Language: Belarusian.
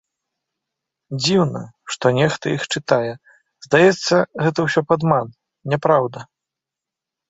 Дзіўна, што нехта іх чытае, здаецца, гэта ўсё падман, няпраўда.